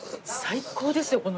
最高ですよ